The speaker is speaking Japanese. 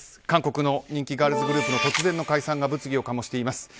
韓国の人気ガールズグループの突然の解散が物議を醸しています。